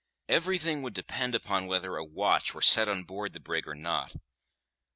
Everything would depend upon whether a watch were set on board the brig or not.